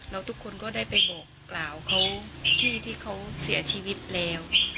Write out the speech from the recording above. แล้วทุกคนก็ได้ไปบอกกล่าวเขาที่เขาเสียชีวิตแล้ว